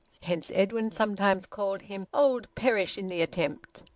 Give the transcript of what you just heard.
Hence Edwin sometimes called him "Old Perish in the attempt."